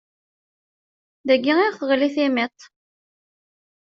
Dagi i ɣ-teɣli timiḍt.